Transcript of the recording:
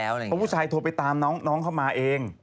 เพราะผู้ชายโทรไปตามน้องเข้ามาเอง